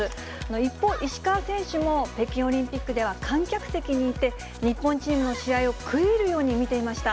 一方、石川選手も北京オリンピックでは観客席にいて、日本チームの試合を食い入るように見ていました。